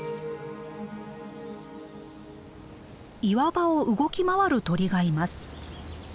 岩場を動き回る鳥がいます。